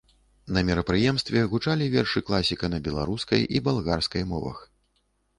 На мерапрыемстве гучалі вершы класіка на беларускай і балгарскай мовах.